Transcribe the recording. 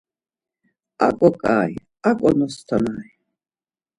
Aǩo ǩai, aǩo nostonyari.